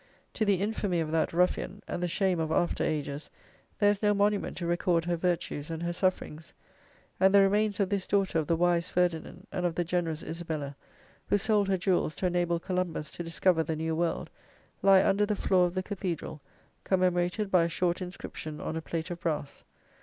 To the infamy of that ruffian, and the shame of after ages, there is no monument to record her virtues and her sufferings; and the remains of this daughter of the wise Ferdinand and of the generous Isabella, who sold her jewels to enable Columbus to discover the new world, lie under the floor of the cathedral, commemorated by a short inscription on a plate of brass.